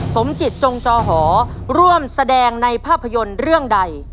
สมจิตจงจอหอร่วมแสดงในภาพยนตร์เรื่องใด